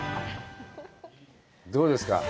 どうですか？